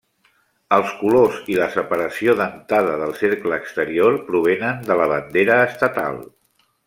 Els colors i la separació dentada del cercle exterior provenen de la bandera estatal.